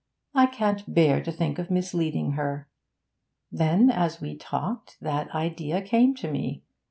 I can't bear to think of misleading her." Then, as we talked, that idea came to me.